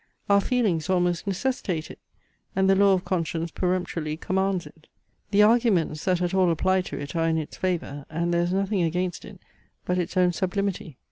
Our feelings almost necessitate it; and the law of conscience peremptorily commands it. The arguments, that at all apply to it, are in its favour; and there is nothing against it, but its own sublimity.